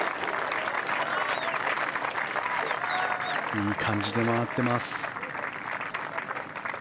いい感じで回っています。